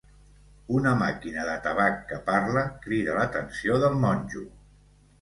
Una màquina de tabac que parla crida l'atenció del monjo.